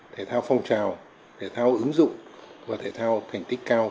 thể thao phong trào thể thao ứng dụng và thể thao thành tích cao